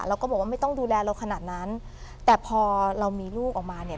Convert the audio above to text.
เราก็บอกว่าไม่ต้องดูแลเราขนาดนั้นแต่พอเรามีลูกออกมาเนี่ย